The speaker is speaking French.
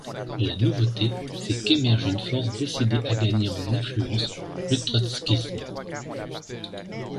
La nouveauté, c’est qu’émerge une force décidée à gagner en influence : le trotskisme.